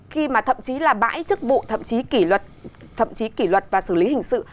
khi mà thậm chí là bãi chức vụ thậm chí kỷ luật và xử lý hình sự